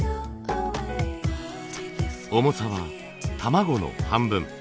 重さは卵の半分。